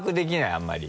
あんまり。